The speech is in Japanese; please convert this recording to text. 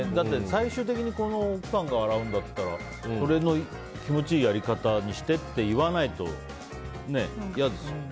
最終的に奥さんが洗うんだったらそれの気持ちいいやり方にしてって言わないと嫌ですよね。